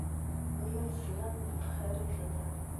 Ur la d-tettbaneḍ bxir i telliḍ.